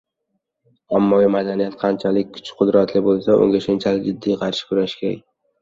Ommaviy madaniyat qanchalik kuch-qudratli bo‘lsa, unga shunchalik jiddiy qarshi kurashish kerak.